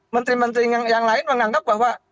menteri menteri yang lain menganggap bahwa